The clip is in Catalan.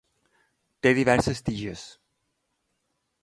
Té diverses tiges.